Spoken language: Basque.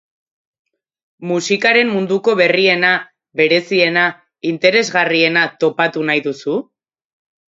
Musikaren munduko berriena, bereziena, interesgarriena topatu nahi duzu?